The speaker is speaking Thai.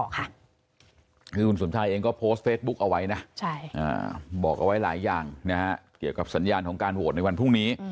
คือคุณสมชายเองก็โพสต์เฟซบุ๊กเอาไว้นะบอกเอาไว้หลายอย่างเกี่ยวกับสัญญาณของการโหวตในวันพรุ่งนี้